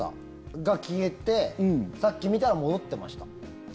が、消えてさっき見たら戻ってました。